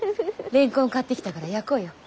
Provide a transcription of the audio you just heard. レンコン買ってきたから焼こうよ。